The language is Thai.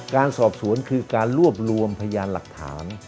การสอบสวนคือการรวบรวมพยานหลักฐาน